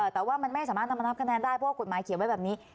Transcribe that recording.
แต่ว่ามันไม่สามารถนำมานับคะแนนได้เพราะกฎหมายเขียนไว้แบบนี้